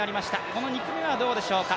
この２組目はどうでしょうか？